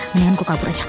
mendingan kukabur aja